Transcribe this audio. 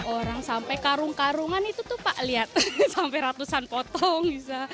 orang sampai karung karungan itu tuh pak lihat sampai ratusan potong bisa